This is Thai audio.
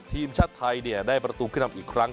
ทีมชาติไทยเนี่ยได้ประตูต่ออีกครั้ง